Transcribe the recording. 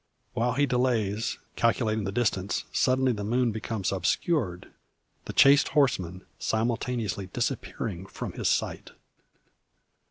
While he delays, calculating the distance, suddenly the moon becomes obscured, the chased horseman simultaneously disappearing from his sight!